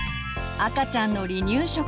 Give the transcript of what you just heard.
赤ちゃんの離乳食。